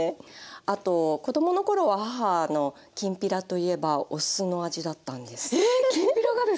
あと子供の頃は母のきんぴらといえばお酢の味だったんです。